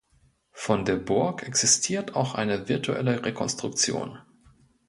Von der Burg existiert auch eine virtuelle Rekonstruktion.